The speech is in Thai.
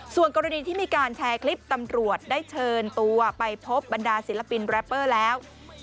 ส่วนกรณีที่มีการแชร์คลิปตำรวจได้เชิญตัวไปพบบรรดาศิลปินแรปเปอร์แล้ว